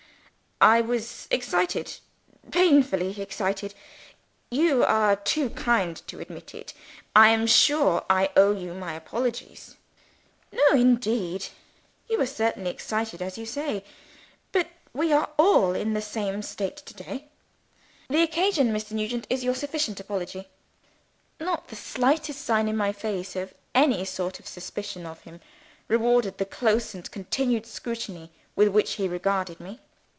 "I was excited painfully excited. You are too kind to admit it; I am sure I owe you my apologies?" "No, indeed! you were certainly excited, as you say. But we are all in the same state to day. The occasion, Mr. Nugent, is your sufficient apology." Not the slightest sign in my face of any sort of suspicion of him rewarded the close and continued scrutiny with which he regarded me.